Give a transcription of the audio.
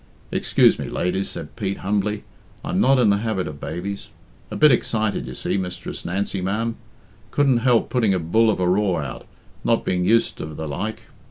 "Excuse me, ladies," said Pete humbly, "I'm not in the habit of babies. A bit excited, you see, Mistress Nancy, ma'am. Couldn't help putting a bull of a roar out, not being used of the like."